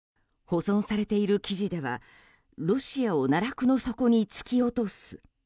保存されている記事ではロシアを奈落の底に突き落とす。